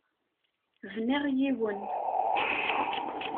Bniɣ yiwen.